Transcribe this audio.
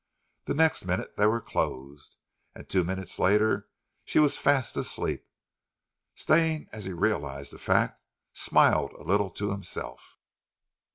The next minute they were closed, and two minutes later she was fast asleep. Stane, as he realized the fact, smiled a little to himself.